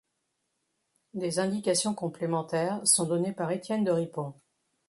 Des indications complémentaires sont données par Étienne de Ripon.